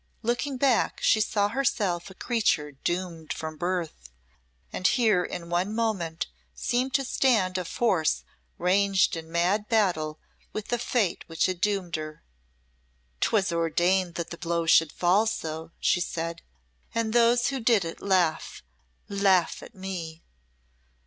Looking back, she saw herself a creature doomed from birth; and here in one moment seemed to stand a force ranged in mad battle with the fate which had doomed her. "'Twas ordained that the blow should fall so," she said, "and those who did it laugh laugh at me."